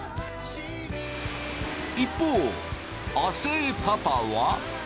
一方亜生パパは。